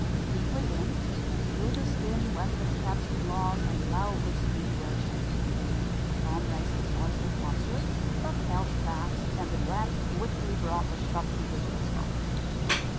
Deeply in, through the skin, went the cat's claws, and loudly screamed the urchin. Tom raised his voice in concert, but held fast, and the duet quickly brought the shopkeeper to the spot.